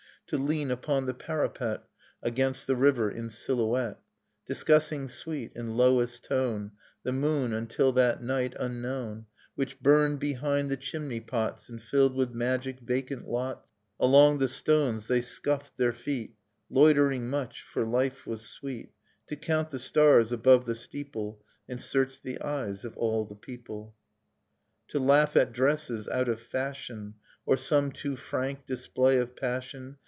To lean upon the parapet Against the river in silhouette, Discussing sweet, in lowest tone, The moon, — until that night unknown !— Which burned behind the chimney pots And filled with magic vacant lots ... Along the stones they scuffed their feet, Loitering much, for life was sweet, To count the stars above the steeple. And search the eyes of all the people, Dust in Starlight To laugh at dresses out of fashion Or some too frank display of passion.